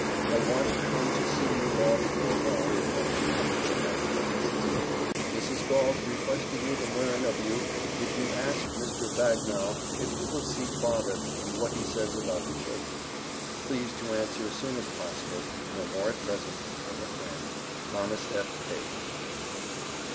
I want to come to see you all before long, if nothing happens and life lasts. Mrs. Gault requested me to learn of you if you ask Mr. Bagnal if he will see father and what he says about the children. Please to answer as soon as possible. No more at present from a friend, THOMAS F. PAGE.